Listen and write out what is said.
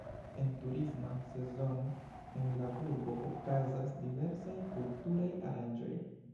En turisma sezono en la burgo okazas diversaj kulturaj aranĝoj.